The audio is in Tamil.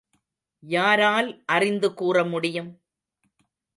யாரால் அறிந்து கூற முடியும்?